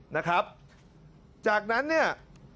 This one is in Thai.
นะครับจากนั้นเนี่ย